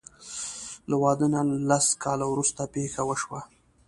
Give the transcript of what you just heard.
له واده نه لس کاله وروسته پېښه وشوه.